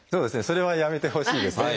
それはやめてほしいですね。